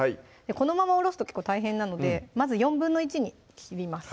このままおろすと結構大変なのでまず１／４に切ります